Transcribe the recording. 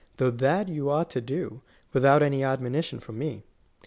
193 tliough that you ought to do, without any admonition from rae."